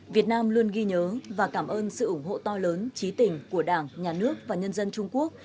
việt nam luôn ghi nhớ và cảm ơn sự ủng hộ to lớn trí tình của đảng nhà nước và nhân dân trung quốc